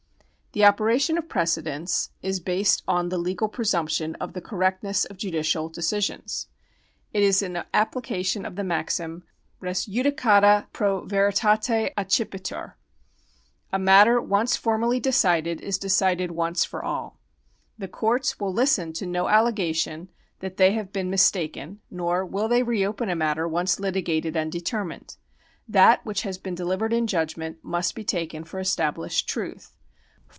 The operation of precedents is based on the legal presump tion of the correctness of judicial decisions. It is an appli cation of the maxim. Res judicata 'pro veritate accipitur. A matter once formally decided is decided once for all. The courts will listen to no allegation that they have been mis taken, nor will they reopen a matter once litigated and deter mined. That which has been delivered in judgment must be taken for established truth.